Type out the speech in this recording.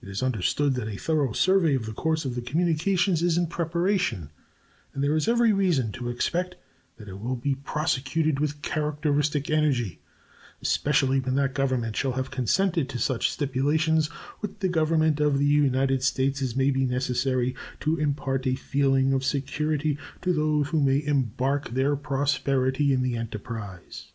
It is understood that a thorough survey of the course of the communication is in preparation, and there is every reason to expect that it will be prosecuted with characteristic energy, especially when that Government shall have consented to such stipulations with the Government of the United States as may be necessary to impart a feeling of security to those who may embark their property in the enterprise.